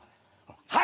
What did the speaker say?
はい！